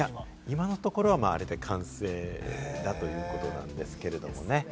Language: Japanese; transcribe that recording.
今のところ、あれで完成だということなんですけれどもね。